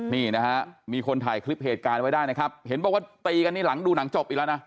นี่นะฮะมีคนถ่ายคลิปเหตุการณ์ไว้ได้นะครับเห็นบอกว่าตีกันนี่หลังดูหนังจบอีกแล้วนะ